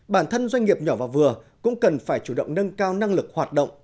bản thân doanh nghiệp nhỏ và vừa cũng cần phải chủ động nâng cao năng lực hoạt động